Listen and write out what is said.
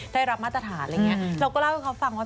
ได้รับมาตรฐานอะไรอย่างเงี้ยเราก็เล่าให้เขาฟังว่า